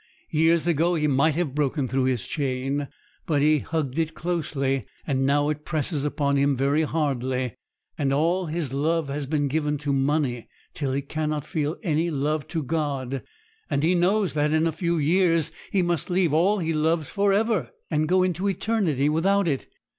Years ago he might have broken through his chain, but he hugged it closely, and now it presses upon him very hardly. All his love has been given to money, till he cannot feel any love to God; and he knows that in a few years he must leave all he loves for ever, and go into eternity without it.